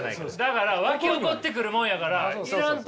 だからわき起こってくるもんやから要らんと。